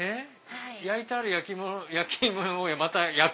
焼いてある焼き芋をまた焼く？